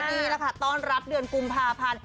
นี่แหละค่ะต้อนรับเดือนกุมภาพันธ์